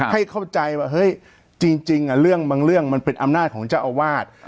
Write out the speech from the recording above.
ให้เข้าใจว่าเฮ้ยจริงเรื่องบางเรื่องมันเป็นอำนาจของเจ้าอาวาส